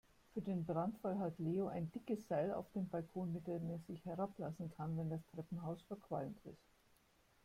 Für den Brandfall hat Leo ein dickes Seil auf dem Balkon, mit dem er sich herablassen kann, wenn das Treppenhaus verqualmt ist.